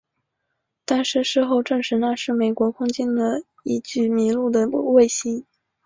但是事后证实那是美国空军的一具迷路的卫星。